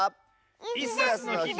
「イスダスのひ」